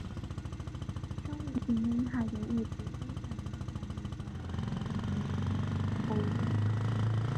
生物性危害的物质规范于下列的联合国危险货物编号